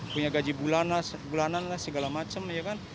punya gaji bulanan lah segala macem ya kan